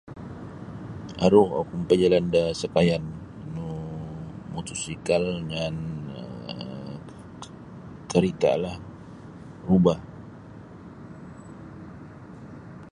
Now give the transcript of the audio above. Aru oku mapajalan da sakayan nu mutusikal jaan um karita'lah rubah.